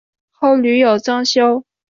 后屡有增修。